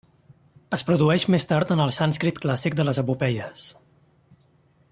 Es produeix més tard en el sànscrit clàssic de les epopeies.